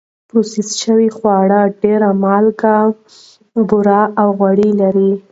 پروسس شوي خواړه ډېر مالګه، بوره او غوړي لري.